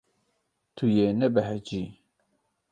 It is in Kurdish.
Tu yê nebehecî.